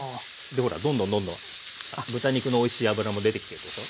ほらどんどんどんどん豚肉のおいしい脂も出てきてるでしょ。